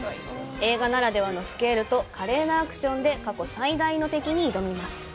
映画ならではのスケールと華麗なアクションで、過去最大の敵に挑みます。